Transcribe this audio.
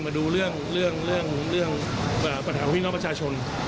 มาดูเรื่องปัญหาของพี่น้องประชาชน